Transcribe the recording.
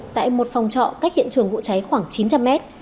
tại một phòng trọ cách hiện trường vụ cháy khoảng chín trăm linh mét